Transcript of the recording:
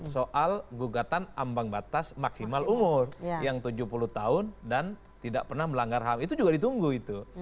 soal gugatan ambang batas maksimal umur yang tujuh puluh tahun dan tidak pernah melanggar ham itu juga ditunggu itu